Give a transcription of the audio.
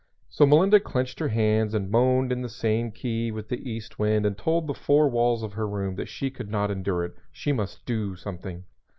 So Melinda clenched her hands and moaned in the same key with the east wind and told the four walls of her room that she could not endure it; she must do something.